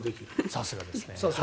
さすがですね。